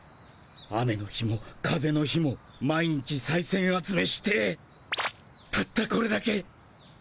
雨の日も風の日も毎日さいせん集めしてたったこれだけ。